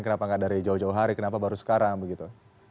kenapa baru sekarang begitu